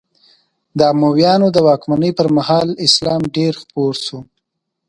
د امویانو د واکمنۍ پر مهال اسلام ډېر خپور شو.